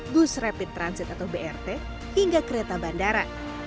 bus rapid transit atau brt hingga kereta bandara